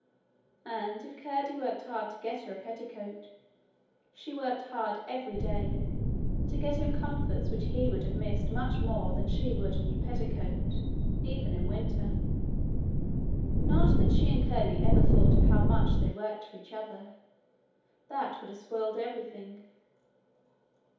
And if Curdie worked hard to get her a petticoat, she worked hard every day to get him comforts which he would have missed much more than she would a new petticoat even in winter. Not that she and Curdie ever thought of how much they worked for each other: that would have spoiled everything.